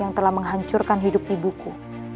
yang telah menghancurkan hidup ibuku